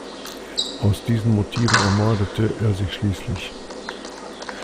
Aus diesen Motiven ermordete er sie schließlich.